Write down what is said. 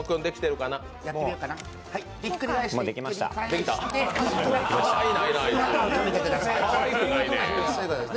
かわいくないね。